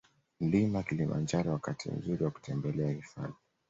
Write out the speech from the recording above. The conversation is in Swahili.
Mlima Kilimanjaro Wakati mzuri wa kutembelea hifadhi